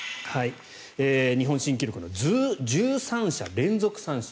日本新記録の１３者連続三振。